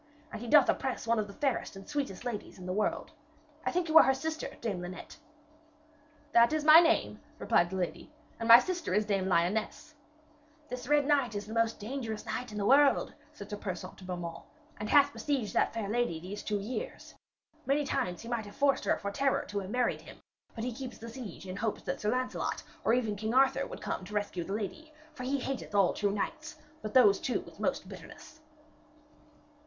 And he doth oppress one of the fairest and sweetest ladies in the world. I think you are her sister, Dame Linet?' 'That is my name,' replied the lady, 'and my sister is Dame Lyones.' 'This Red Knight is the most dangerous knight in the world,' said Sir Persaunt to Beaumains, 'and hath besieged that fair lady these two years. Many times he might have forced her for terror to have married him, but he keeps the siege in hopes that Sir Lancelot or even King Arthur would come to rescue the lady. For he hateth all true knights, but those two with most bitterness.'